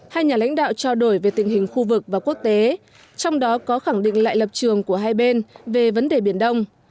hai nhà lãnh đạo trao đổi về tình hình khu vực và quốc tế trong đó có khẳng định lại lập trường của hai bên về vấn đề biển đông